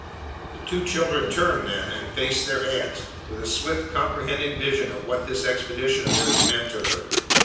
The two children turned then, and faced their aunt, with a swift, comprehending vision of what this expedition of theirs meant to her.